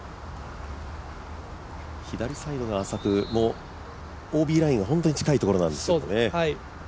左サイドが浅く、ＯＢラインが本当に近いところなんですね。